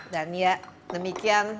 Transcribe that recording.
dan ya demikian